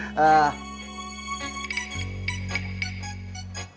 eh ya udah kang